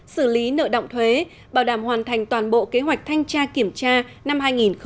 xử lý nợ động thuế bảo đảm hoàn thành toàn bộ kế hoạch thanh tra kiểm tra năm hai nghìn hai mươi